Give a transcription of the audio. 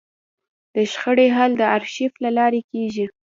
د شخړې حل د ارشیف له لارې کېږي.